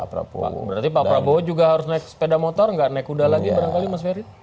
berarti pak prabowo juga harus naik sepeda motor nggak naik kuda lagi